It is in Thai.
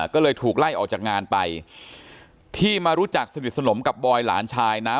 ก็เลยถูกไล่ออกจากงานไปที่มารู้จักสนิทสนมกับบอยหลานชายนะ